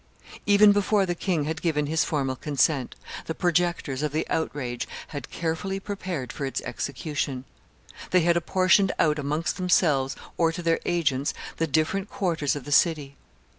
Even before the king had given his formal consent, the projectors of the outrage had carefully prepared for its execution; they had apportioned out amongst themselves or to their agents the different quarters of the city.